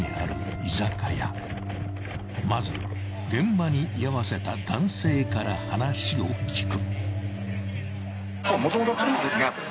［まず現場に居合わせた男性から話を聞く］